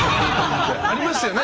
ありましたよね？